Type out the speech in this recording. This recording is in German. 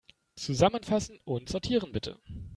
Zusammenfassen und sortieren, bitte.